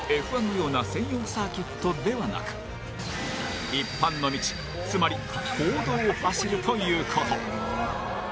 Ｆ１のような専用サーキットではなく一般の道つまり公道を走るということ。